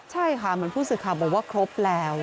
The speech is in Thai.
ใช่ค่ะเหมือนผู้ศึกภาพบอกว่าครบแล้ว